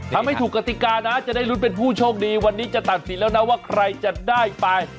ทำให้ถูกกติกานะจะได้ลุ้นเป็นผู้โชคดีวันนี้จะตัดสินแล้วนะว่าใครจะได้ไป